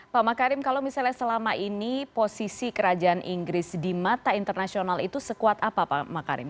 pak makarim kalau misalnya selama ini posisi kerajaan inggris di mata internasional itu sekuat apa pak makarim